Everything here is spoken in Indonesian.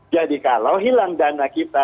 jadi kalau hilang dana kita